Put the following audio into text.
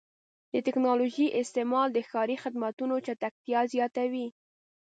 د ټکنالوژۍ استعمال د ښاري خدماتو چټکتیا زیاتوي.